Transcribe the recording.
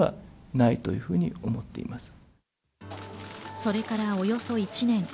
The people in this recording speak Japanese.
それからおよそ１年。